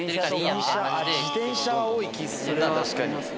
自転車は多い気するな。